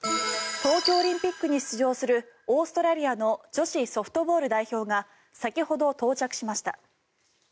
東京オリンピックに出場するオーストラリアの女子ソフトボール代表が先ほど到着しました。